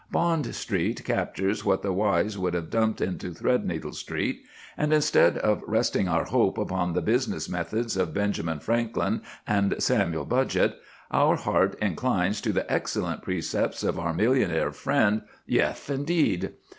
Bond Street captures what the wise would have dumped into Threadneedle Street; and instead of resting our hope upon the business methods of Benjamin Franklin and Samuel Budgett, our heart inclines to the excellent precepts of our millionaire friend "Yeth Indeed."